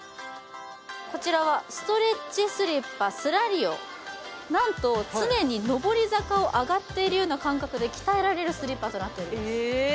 こちらはストレッチスリッパスラリオなんと常に上り坂を上がっているような感覚で鍛えられるスリッパとなっておりますえ！？